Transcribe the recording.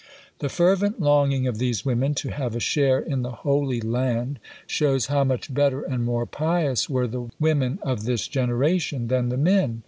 '" The fervent longing of these women to have a share in the Holy Land shows how much better and more pious were the women of this generation than the men.